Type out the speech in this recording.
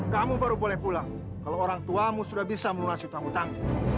kamu baru boleh pulang kalau orang tuamu sudah bisa menurasi hutang hutang